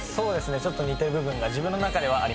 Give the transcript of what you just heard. ちょっと似てる部分が自分の中ではあります。